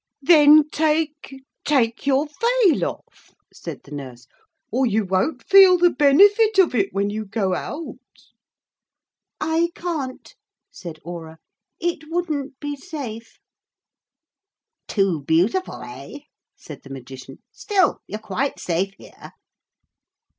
'Then take ... take your veil off,' said the nurse, 'or you won't feel the benefit of it when you go out.' 'I can't,' said Aura, 'it wouldn't be safe.' 'Too beautiful, eh?' said the Magician. 'Still you're quite safe here.'